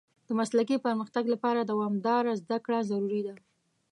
د مسلکي پرمختګ لپاره دوامداره زده کړه ضروري ده.